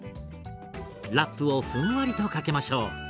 ラップをふんわりとかけましょう。